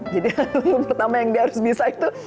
jadi lagu pertama yang dia harus bisa itu